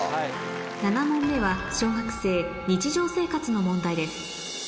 ７問目は小学生日常生活の問題です